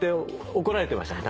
怒られてましたね